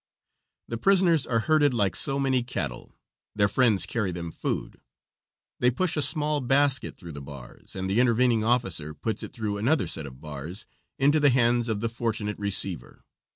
The prisoners are herded like so many cattle. Their friends carry them food. They push a small basket through the bars, and the intervening officer puts it through another set of bars into the hands of the fortunate receiver.